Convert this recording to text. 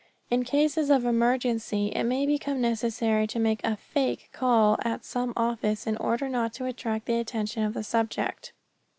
In cases of emergency it may become necessary to make a "fake" call at some office in order not to attract the attention of the subject.